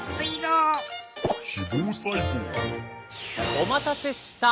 お待たせした。